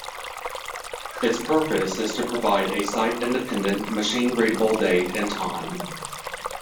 Its purpose is to provide a site-independent, machine readable date and time.